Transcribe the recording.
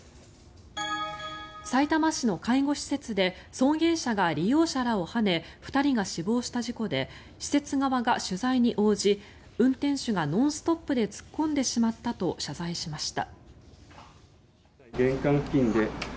さいたま市の介護施設で送迎車が利用者らをはね２人が死亡した事故で施設側が取材に応じ運転手がノンストップで突っ込んでしまったと謝罪しました。